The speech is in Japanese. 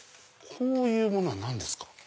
こういうものは何ですか？